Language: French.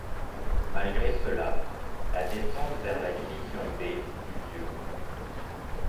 Malgré cela, la descente vers la Division B eut lieu.